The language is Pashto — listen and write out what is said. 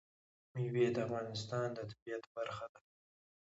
مېوې د افغانستان د طبیعت برخه ده.